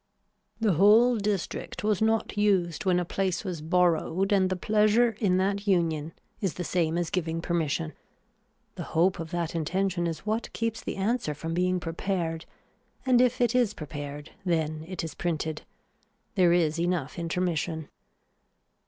The whole district was not used when a place was borrowed and the pleasure in that union is the same as giving permission. The hope of that intention is what keeps the answer from being prepared and if it is prepared then it is printed. There is enough intermission.